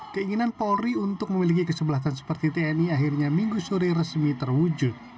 keinginan polri untuk memiliki kesebelasan seperti tni akhirnya minggu sore resmi terwujud